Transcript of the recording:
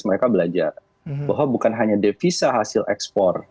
mereka belajar bahwa bukan hanya devisa hasil ekspor